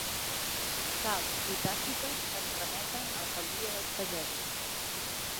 Sals potàssiques que ens remeten a la família dels pagesos.